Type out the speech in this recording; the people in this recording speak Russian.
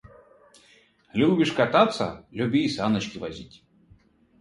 Любишь кататься, люби и саночки возить!